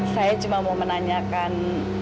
saya cuma mau menanyakan